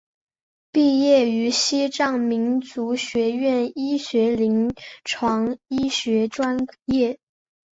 毕业于西藏民族学院医学院临床医学专业。